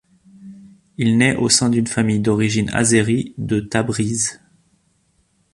Il naît au sein d'une famille d'origine azérie de Tabriz.